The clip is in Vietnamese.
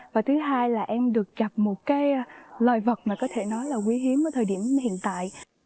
và thứ hai là em được gặp một cái loài vật mà có thể nói là quý hiếm ở thời điểm hiện tại